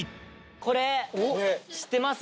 これ、知ってます？